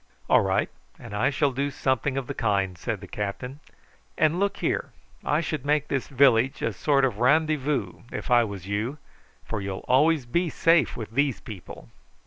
"All right, and I shall do something of the kind," said the captain. "And, look here, I should make this village a sort of randy voo if I was you, for you'll always be safe with these people."